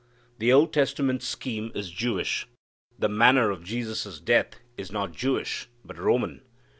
The Old Testament scheme is Jewish. The manner of Jesus' death is not Jewish, but Roman.